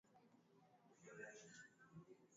uingizaji nchini usambazaji na matumizi wa dawa hizo